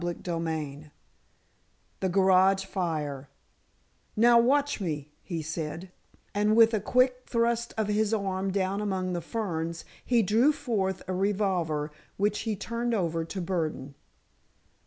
CHAPTER XII THE GARAGE FIRE "Now, watch me," he said, and with a quick thrust of his arm down among the ferns, he drew forth a revolver, which he turned over to Burdon.